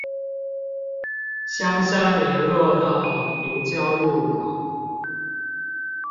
香山聯絡道平交路口